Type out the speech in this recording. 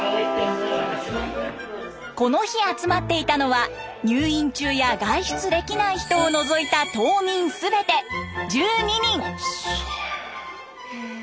この日集まっていたのは入院中や外出できない人を除いた島民すべて１２人。